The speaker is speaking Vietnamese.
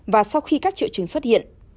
và sau khi các triệu chứng xuất hiện